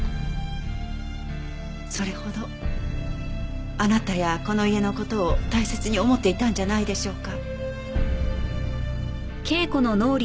それほどあなたやこの家の事を大切に思っていたんじゃないでしょうか。